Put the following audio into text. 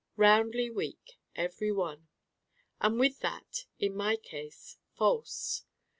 Roundly weak, every one. And with that, in my case, False.